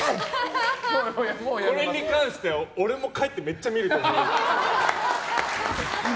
これに関しては俺も帰ってめっちゃ見ると思う。